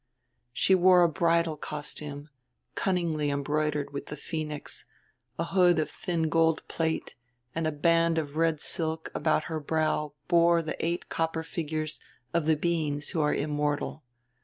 She wore a bridal costume, cunningly embroidered with the phoenix, a hood of thin gold plate, and a band of red silk about her brow bore the eight copper figures of the beings who are immortal.